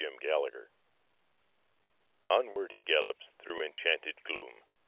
KNIGHT ERRANT Onward he gallops through enchanted gloom.